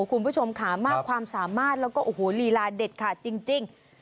คุณผู้ชมค่ะมากความสามารถแล้วก็โอ้โหลีลาเด็ดขาดจริง